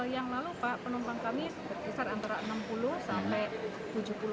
yang lalu pak penumpang kami berkisar antara enam puluh sampai tujuh puluh